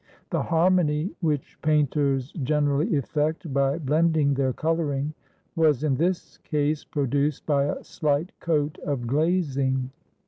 The har mony which painters generally effect by blending their coloring was in this case produced by a slight coat of glazing.